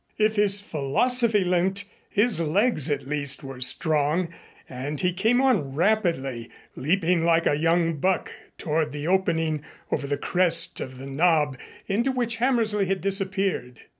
If his philosophy limped, his legs at least were strong and he came on rapidly leaping like a young buck toward the opening over the crest of the knob into which Hammersley had disappeared.